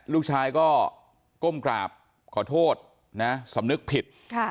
ลูกชายก็ก้มกราบขอโทษนะสำนึกผิด